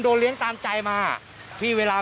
กระทั่งตำรวจก็มาด้วยนะคะ